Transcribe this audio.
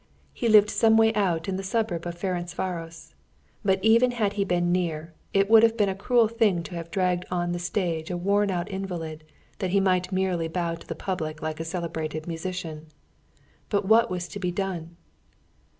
He lived some way out in the suburb of Ferenczváros. But even had he been near, it would have been a cruel thing to have dragged on the stage a worn out invalid, that he might merely bow to the public like a celebrated musician. But what was to be done?